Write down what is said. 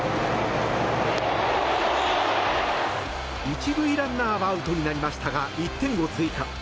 １塁ランナーはアウトになりましたが１点を追加。